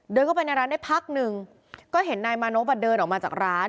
เข้าไปในร้านได้พักหนึ่งก็เห็นนายมานพเดินออกมาจากร้าน